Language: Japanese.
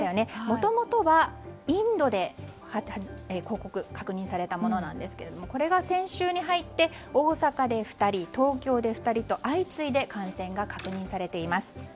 もともとはインドで確認されたものなんですけどこれが先週に入って大阪で２人、東京で２人と相次いで感染が確認されています。